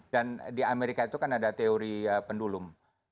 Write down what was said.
dan di amerika itu kan ada teori pendulum